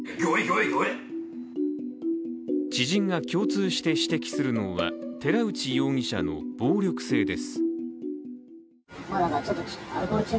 知人が共通して指摘するのは寺内容疑者の暴力性です。